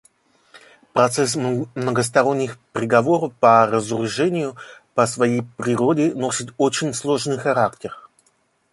Процесс многосторонних переговоров по разоружению по своей природе носит очень сложный характер.